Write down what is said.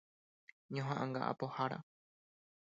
Ñoha'ãnga apohára.